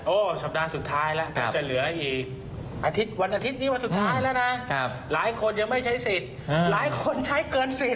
โธสัปดาห์สุดท้ายแล้วจะเหลืออีกวันอาทิตย์หลายคนยังไม่ใช้สิทธิ์หลายคนใช้เกินสิทธิ์